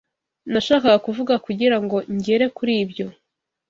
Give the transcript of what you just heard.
Nashakaga kuvuga kugirango ngere kuri ibyo.